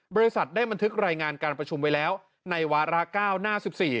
บริษัทได้บันทึกรายงานการประชุมไว้แล้วในวาระ๙หน้า๑๔